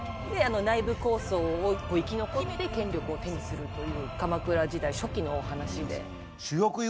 内部抗争を生き残って権力を手にするという鎌倉時代初期のお話で。